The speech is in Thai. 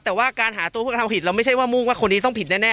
แต่ว่าการหาตัวผู้กระทำผิดเราไม่ใช่ว่ามุ่งว่าคนนี้ต้องผิดแน่